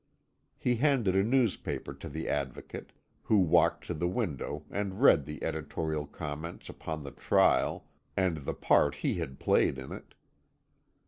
He handed a newspaper to the Advocate, who walked to the window and read the editorial comments upon the trial and the part he had played in it.